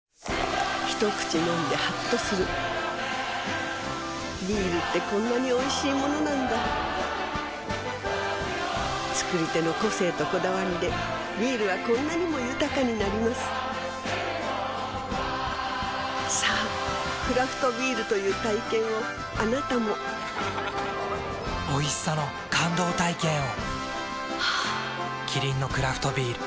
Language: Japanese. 一口飲んでハッとするビールってこんなにおいしいものなんだ造り手の個性とこだわりでビールはこんなにも豊かになりますさぁクラフトビールという体験をあなたもおいしさの感動体験を。